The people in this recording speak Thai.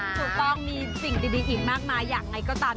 ถูกต้องมีสิ่งดีอีกมากมายอย่างไรก็ตาม